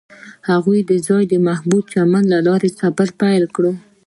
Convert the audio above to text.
هغوی یوځای د محبوب چمن له لارې سفر پیل کړ.